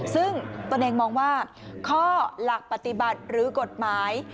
ซึ่งตนเองมองว่าข้อหลักปฏิบัติหรือกฎหมาย